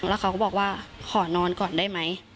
แล้วเขาก็บอกว่าขอนอนก่อนได้ไหม